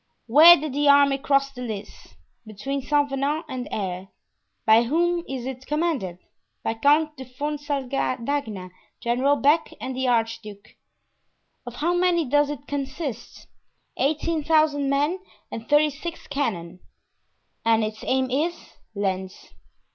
"Where did the army cross the Lys?" "Between Saint Venant and Aire." "By whom is it commanded?" "By Count de Fuonsaldagna, General Beck and the archduke." "Of how many does it consist?" "Eighteen thousand men and thirty six cannon." "And its aim is?" "Lens."